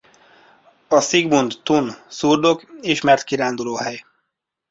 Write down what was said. A Sigmund-Thun-szurdok ismert kirándulóhely.